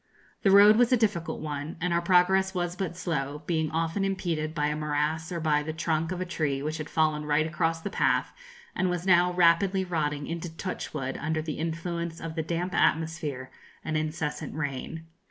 The road was a difficult one, and our progress was but slow, being often impeded by a morass or by the trunk of a tree which had fallen right across the path, and was now rapidly rotting into touchwood under the influence of the damp atmosphere and incessant rain.